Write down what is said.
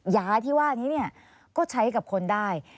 ยาที่ว่านี้ก็ใช้กับคนได้